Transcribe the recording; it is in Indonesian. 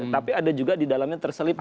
tapi ada juga di dalamnya terselip